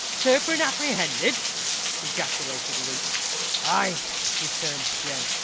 "Turpin apprehended!" ejaculated Luke. "Ay," returned Jem.